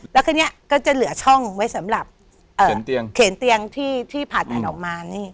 แล้วทีนี้ก็จะเหลือช่องไว้สำหรับเข็นเตียงที่ผ่าตัดออกมานี่